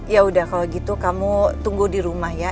yaudah kalo gitu kamu tunggu dirumah ya